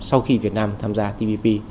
sau khi việt nam tham gia tpp